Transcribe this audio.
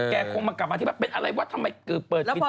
แกคงมากลับมาที่แบบเป็นอะไรวะทำไมเปิดติดโตไม่ได้